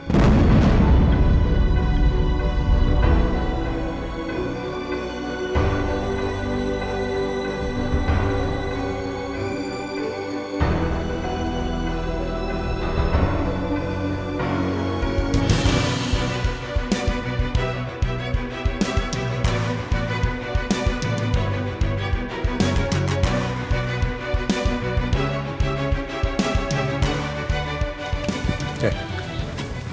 nah apa yang kita lakukan ini